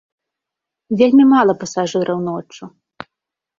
Вельмі мала пасажыраў ноччу.